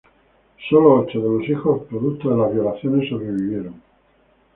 Sólo ocho de los hijos productos de las violaciones sobrevivieron.